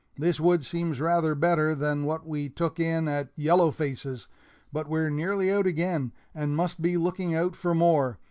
This wood seems rather better than that we took in at Yellow Face's, but we're nearly out again, and must be looking out for more.